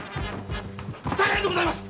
大変でございます！